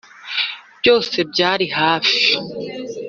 byose byari hafi.